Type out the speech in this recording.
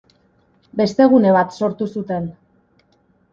Beste gune bat sortu zuten.